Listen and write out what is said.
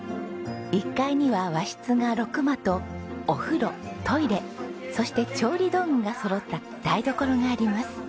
１階には和室が６間とお風呂トイレそして調理道具がそろった台所があります。